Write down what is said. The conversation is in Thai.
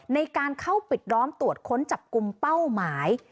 ในการเข้าปิดล้อมตรวจค้นจับกลุ่มเป้าหมาย